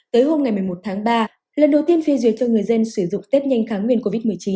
tới hôm ngày một mươi một tháng ba lần đầu tiên phê duyệt cho người dân sử dụng test nhanh kháng nguyên covid một mươi chín